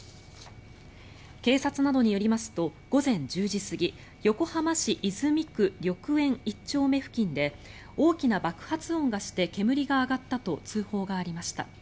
警察などによりますと午前１０時過ぎ横浜市泉区緑園１丁目付近で大きな爆発音がして煙が上がったと通報がありました。